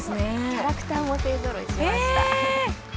キャラクターも勢ぞろいしました。